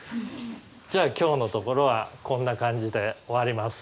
じゃあ今日のところはこんな感じで終わります。